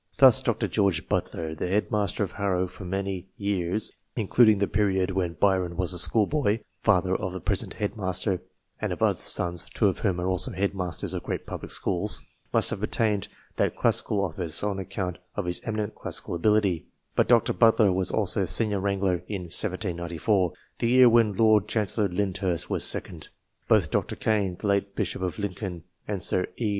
Thus, Dr. George Butler, the Head Master of Harrow for very many years, including the period when Byron was a schoolboy (father of the present Head Master, and of other sons, two of whom are also head masters of great public schools), must have obtained that classical office on account of his eminent classical ability ; but Dr. Butler was also senior wrangler in 1794, the year when Lord Chancellor Lyndhurst was second. Both Dr. Kaye, the late Bishop of Lincoln, and Sir E.